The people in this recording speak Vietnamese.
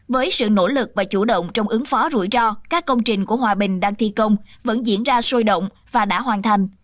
với sự nỗ lực và chủ động trong ứng phó rủi ro các công trình của hòa bình đang thi công vẫn diễn ra sôi động và đã hoàn thành